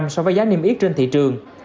so với giá niêm yết trên thị trường